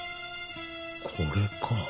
これか。